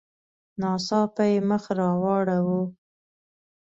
ناڅاپه یې مخ را واړاوه.